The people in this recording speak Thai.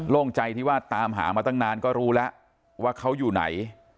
่งใจที่ว่าตามหามาตั้งนานก็รู้แล้วว่าเขาอยู่ไหน